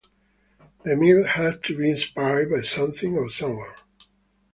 The meal had to be inspired by something or someone.